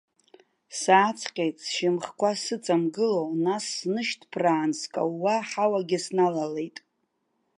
Сааҵҟьеит, сшьымхқәа сыҵамгыло, нас снышьҭԥраан, скаууа аҳауагьы сналалеит.